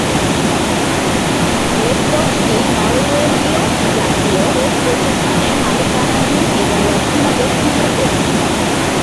রেলপথটি নরওয়েজীয় জাতীয় রেল প্রশাসনের মালিকানাধীন এবং রক্ষণাবেক্ষণের অধীন।